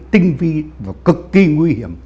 tinh vi và cực kỳ nguy hiểm